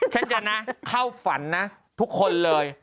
ฉันจะนะเข้าฝันนะทุกคนเลย